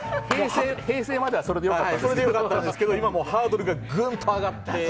平成まではそれでよかったんですけど今はハードルがぐんと上がって。